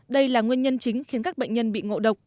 đây là nguyên nhân chính khiến các bệnh nhân bị ngộ độc